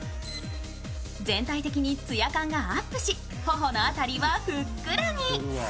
全体的に艶感がアップし頬の辺りはふっくらに。